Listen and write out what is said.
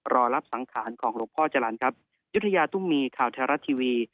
รอรับสังขารของหลวงพ่อจรรย์ครับยุธยาตุ้มมีข่าวไทยรัฐทีวี